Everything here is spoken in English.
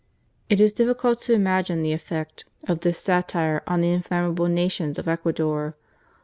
It is difficult to imagine the effect of this satire on the inflammable nations of Ecuador.